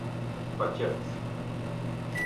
Baqevc